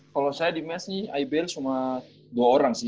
kalo saya di mes nih abl cuma dua orang sih